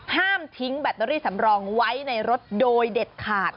ห้ามทิ้งแบตเตอรี่สำรองไว้ในรถโดยเด็ดขาด